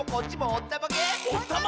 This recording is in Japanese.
おったまげ！